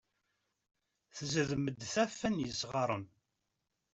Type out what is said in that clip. Tezdem-d taffa n yesɣaren.